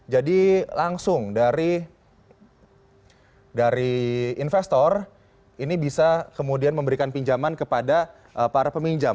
jadi langsung dari investor ini bisa kemudian memberikan pinjaman kepada para peminjam